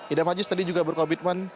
idam aziz tadi juga berkomitmen